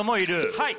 はい。